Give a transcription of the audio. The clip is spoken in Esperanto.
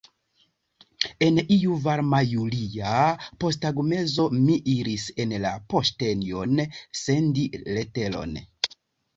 En iu varma julia posttagmezo mi iris en la poŝtejon sendi leteron.